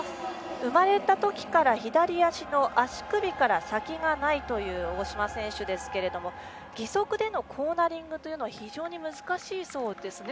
生まれたときから左足の足首から先がないという大島選手ですけれども義足でのコーナリングは非常に難しそうですね。